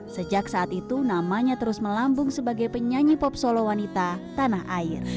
sejak saat itu namanya terus melambung sebagai penyanyi pop solo wanita tanah air